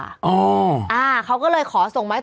เหอะเขาก็เลยขอส่งไว้ต่อ